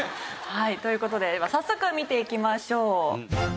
はいという事で早速見ていきましょう。